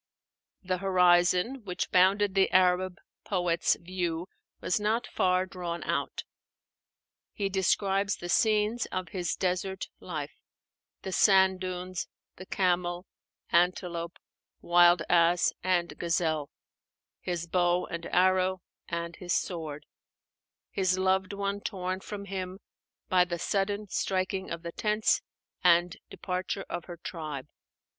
The horizon which bounded the Arab poet's view was not far drawn out. He describes the scenes of his desert life: the sand dunes; the camel, antelope, wild ass, and gazelle; his bow and arrow and his sword; his loved one torn from him by the sudden striking of the tents and departure of her tribe.